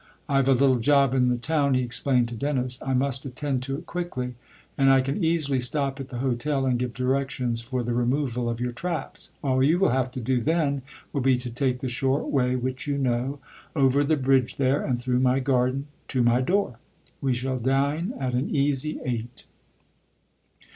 I've a little job in the town," he explained to Dennis ;" I must attend to it quickly and I can easily stop at the hotel and give directions for the removal of your traps. All you will have to do then will be to take the short way, which you know over the bridge there and through my garden to my door. We shall dine at an easy eight."